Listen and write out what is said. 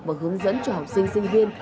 và hướng dẫn cho học sinh sinh hiên